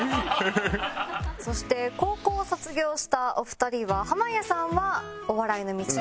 そして高校を卒業したお二人は濱家さんはお笑いの道へ。